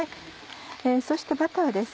そしてバターです。